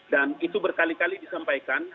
dan itu berkali kali disampaikan